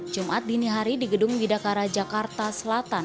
jumat dini hari di gedung bidakara jakarta selatan